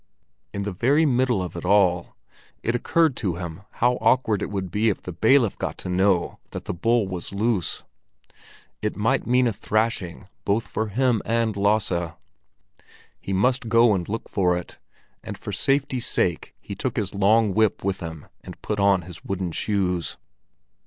In the very middle of it all, it occurred to him how awkward it would be if the bailiff got to know that the bull was loose. It might mean a thrashing both for him and Lasse. He must go and look for it; and for safety's sake he took his long whip with him and put on his wooden shoes.